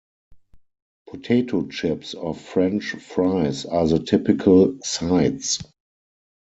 Potato chips or French fries are the typical sides.